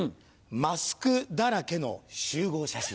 マスクだらけの集合写真。